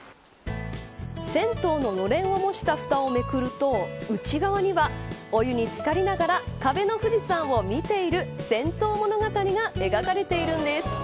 銭湯ののれんを模したふたをめくると内側には、お湯に漬かりながら壁の富士山を見ている銭湯物語が描かれているんです。